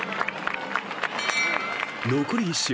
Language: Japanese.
残り１周。